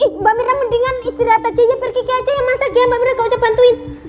mbak mirna mendingan istirahat aja ya pergi kia aja ya masak ya mbak mirna gausah bantuin